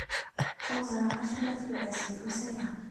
Ur ẓriɣ acemma fell-as drus aya.